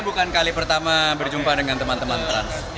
bukan kali pertama berjumpa dengan teman teman trans